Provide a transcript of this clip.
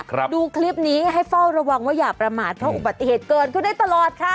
ดูคลิปนี้ให้เฝ้าระวังว่าอย่าประมาทเพราะอุบัติเหตุเกิดขึ้นได้ตลอดค่ะ